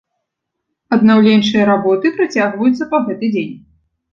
Аднаўленчыя работы працягваюцца па гэты дзень.